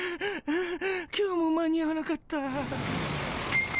今日も間に合わなかった。